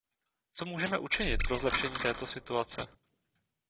Co můžeme učinit pro zlepšení této situace?